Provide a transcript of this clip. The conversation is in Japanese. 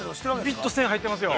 ◆ピッと線が入っていますよ。